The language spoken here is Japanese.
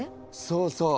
そうそう。